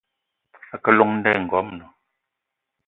A ke llong nda i ngoamna.